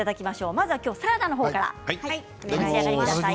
まずは今日はサラダの方から召し上がりください。